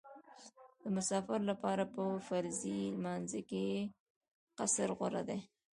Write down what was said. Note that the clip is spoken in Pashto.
د مسافر لپاره په فرضي لمانځه کې قصر غوره دی